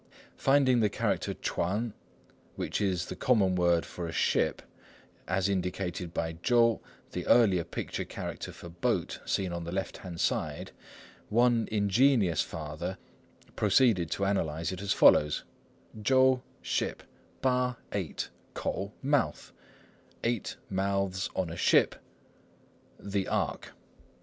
Finding the character 船, which is the common word for "a ship," as indicated by 舟, the earlier picture character for "boat" seen on the left hand side, one ingenious Father proceeded to analyse it as follows:— 舟 "ship," 八 "eight," 口 "mouth" = eight mouths on a ship—"the Ark."